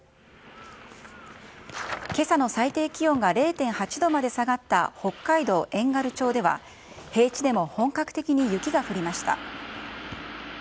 けさの最低気温が０．８度まで下がった北海道遠軽町では、平地でも本格的に雪が降りました。